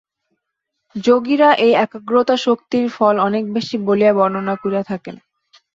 যোগীরা এই একাগ্রতা-শক্তির ফল অনেক বেশী বলিয়া বর্ণনা করিয়া থাকেন।